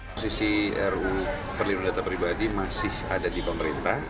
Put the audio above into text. posisi ruu perlindungan data pribadi masih ada di pemerintah